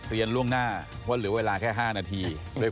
เรียนร่วงหน้าว่าเหลือเวลาแค่ห้านาที